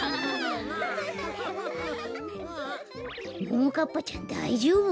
ももかっぱちゃんだいじょうぶ？